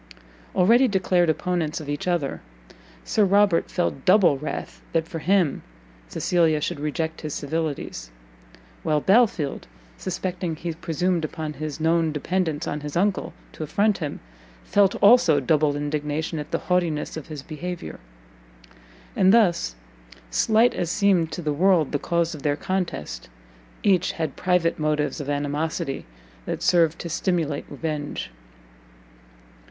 Already declared opponents of each other, Sir Robert felt double wrath that for him Cecilia should reject his civilities; while Belfield, suspecting he presumed upon his known dependence on his uncle to affront him, felt also double indignation at the haughtiness of his behaviour. And thus, slight as seemed to the world the cause of their contest, each had private motives of animosity that served to stimulate revenge.